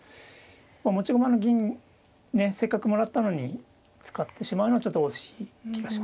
持ち駒の銀ねせっかくもらったのに使ってしまうのはちょっと惜しい気がしますね。